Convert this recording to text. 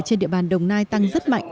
trên địa bàn đồng nai tăng rất mạnh